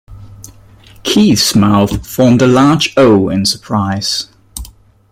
Keith's mouth formed a large O in surprise.